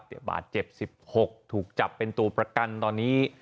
บาดเจ็บ๑๖ถูกจับเป็นตัวประกันตอนนี้